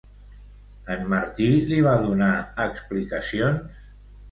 En Martí li va donar explicacions?